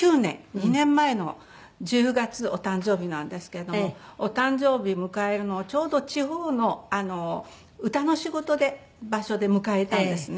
２年前の１０月お誕生日なんですけれどもお誕生日迎えるのをちょうど地方の歌の仕事で場所で迎えたんですね。